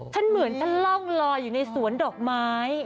ฉันเหมือนฉันร่องรออยู่ในสวนดอกไม้